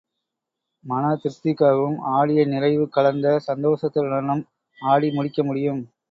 மன திருப்திக்காகவும், ஆடிய நிறைவு கலந்த சந்தோஷத்துடனும் ஆடி முடிக்க முடியும்.